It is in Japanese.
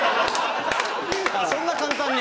そんな簡単に？